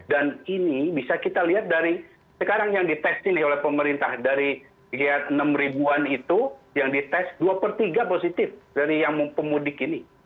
dan ini bisa kita lihat dari sekarang yang ditest oleh pemerintah dari enam ribuan itu yang ditest dua per tiga positif dari yang pemudik ini